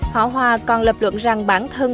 họ hòa còn lập luận rằng bản thân